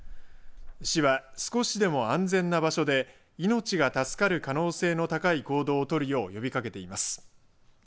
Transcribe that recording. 市は、少しでも安全な場所で命が助かる可能性の高い行動をとるよう呼びかけています。